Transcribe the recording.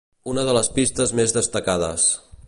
Una de les pistes més destacades.